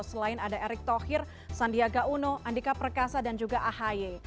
selain ada erick thohir sandiaga uno andika perkasa dan juga ahy